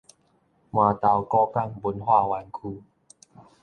蔴荳古港文化園區